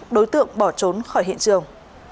đối tượng bỏ trốn khỏi hiện trường